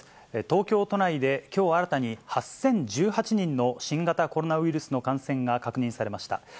東京都内できょう新たに、８０１８人の新型コロナウイルスの感染が確認されました。